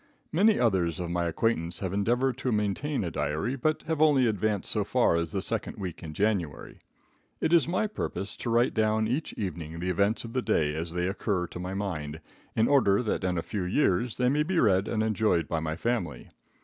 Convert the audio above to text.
Many others of my acquaintance have endeavored to maintain a diary, but have only advanced so far as the second week in January. It is my purpose to write down each evening the events of the day as they occur to my mind, in order that in a few years they may be read and enjoyed by my family.